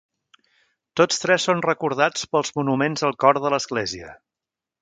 Tots tres són recordats pels monuments al cor de l"església.